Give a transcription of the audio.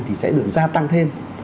thì sẽ được gia tăng thêm